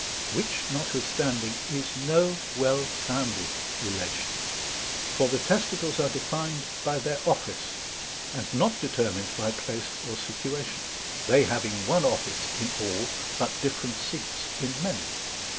Which notwithstanding is no well founded illation, for the testicles are defined by their office, and not determined by place or situation; they having one office in all, but different seats in many.